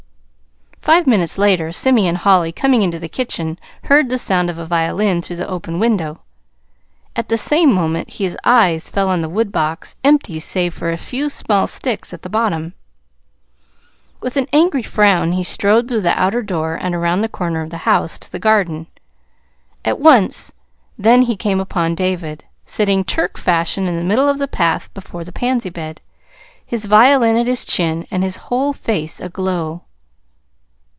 Five minutes later, Simeon Holly, coming into the kitchen, heard the sound of a violin through the open window. At the same moment his eyes fell on the woodbox, empty save for a few small sticks at the bottom. With an angry frown he strode through the outer door and around the corner of the house to the garden. At once then he came upon David, sitting Turk fashion in the middle of the path before the pansy bed, his violin at his chin, and his whole face aglow.